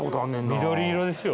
緑色ですよ。